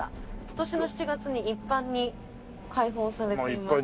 今年の７月に一般に開放されています。